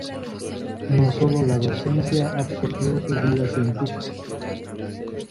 No solo la docencia absorbió su vida científica.